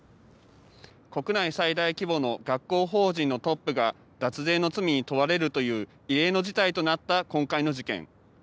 国内最大規模の学校法人のトップが脱税の罪に問われるという異例の事態となった今回の事件。